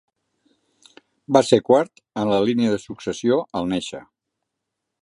Va ser quart en la línia de successió al néixer.